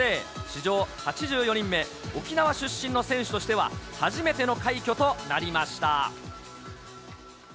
史上８４人目、沖縄出身の選手としては初めての快挙となりました。